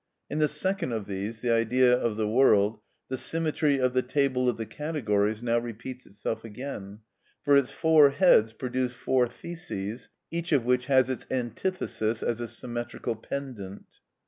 In the second of these, the Idea of the world, the symmetry of the table of the categories now repeats itself again, for its four heads produce four theses, each of which has its antithesis as a symmetrical pendant.